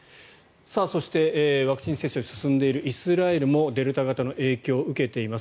そして、ワクチン接種が進んでいるイスラエルもデルタ型の影響を受けています。